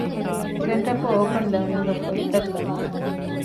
ސެންޓަރ ފޯރ އޯޕަން ލާނިންގއަށް ފޮތްތައް ގަންނަން